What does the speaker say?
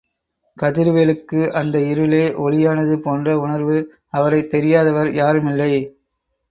கதிர் வேலுக்கு அந்த இருளே ஒளியானது போன்ற உணர்வு... அவரைத் தெரியாதவர் யாருமில்லை.